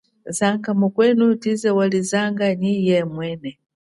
Zanga mukwenu ngwechize wali zanga yemwene.